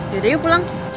yaudah yuk pulang